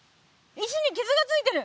石にきずがついてる！